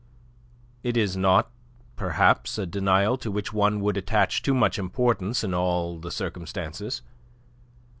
It is not, perhaps, a denial to which one would attach too much importance in all the circumstances.